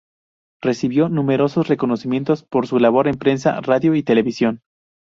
Recibió numerosos reconocimientos por su labor en prensa, radio y televisión.